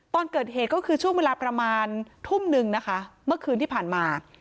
ตอนเกิดเหตุก็คือช่วงเวลาประมาณทุ่มนึงนะคะเมื่อคืนที่ผ่านมา